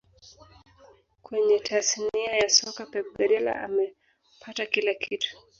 Kwenye tasnia ya soka pep guardiola amepata kila kitu